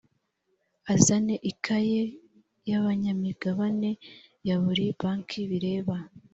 azane ikaye y’abanyamigabane ya buri banki bireba